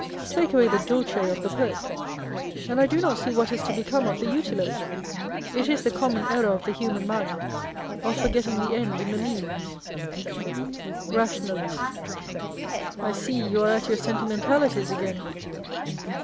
Take away the dulce of the poet, and I do not see what is to become of the utile. It is the common error of the human mind, of forgetting the end in the means. Rationalist. I see you are at your Sentimentalities again.